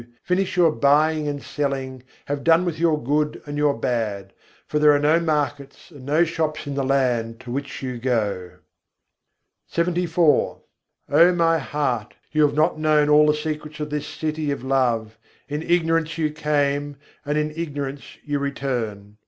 finish your buying and selling, have done with your good and your bad: for there are no markets and no shops in the land to which you go." LXXIV III. 30. are dil, prem nagar kä ant na pâyâ O my heart! you have not known all the secrets of this city of love: in ignorance you came, and in ignorance you return.